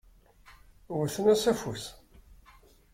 Wwten-as afus.